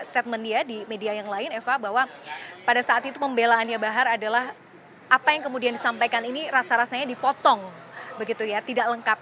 statement dia di media yang lain eva bahwa pada saat itu pembelaannya bahar adalah apa yang kemudian disampaikan ini rasa rasanya dipotong begitu ya tidak lengkap